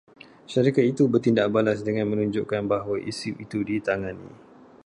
Syarikat itu bertindak balas dengan menunjukkan bahawa isu itu ditangani